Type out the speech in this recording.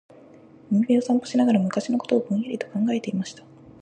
•海辺を散歩しながら、昔のことをぼんやりと考えていました。